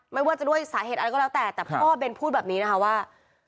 ไม่ว่าจะด้วยสาเหตุอะไรก็แล้วแต่แต่พ่อเบนพูดแบบนี้นะคะว่า